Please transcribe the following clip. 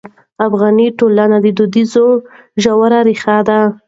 افغاني ټولنه دودیزې ژورې ریښې لري.